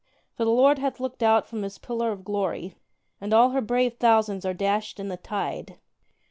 For the Lord hath looked out from His pillar of glory, And all her brave thousands are dashed in the tide.